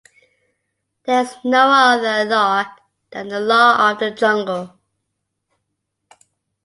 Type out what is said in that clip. There is no other law than the law of the jungle.